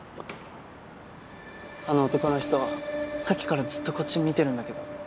あの男の人さっきからずっとこっち見てるんだけど。